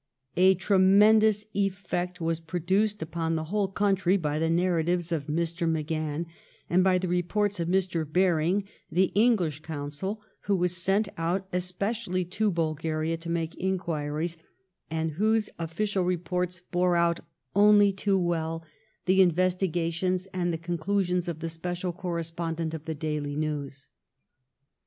A tremendous effect was produced upon the whole country by the narratives of Mr. MacGahan and by the reports of Mr. Baring, the English consul, who was sent out especially to Bulgaria to make inquiries, and whose official reports bore ACHILLES RECALLED 329 out only too well the investigations and the con clusions of the special correspondent of the " Daily News."